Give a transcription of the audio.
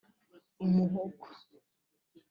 umuhogo